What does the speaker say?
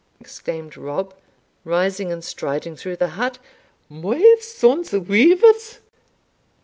exclaimed Rob, rising and striding through the hut, "My sons weavers!